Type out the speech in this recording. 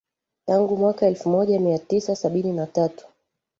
Tangu mwaka elfu moja mia tisa sabini na tatu